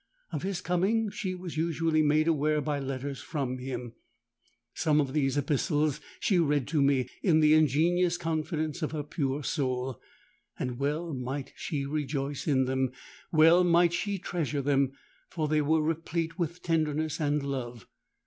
Of his coming she was usually made aware by letters from him: some of those epistles she read to me, in the ingenuous confidence of her pure soul; and well might she rejoice in them—well might she treasure them,—for they were replete with tenderness and love.